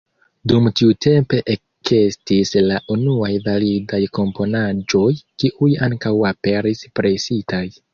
Dum tiu tempo ekestis la unuaj validaj komponaĵoj, kiuj ankaŭ aperis presitaj.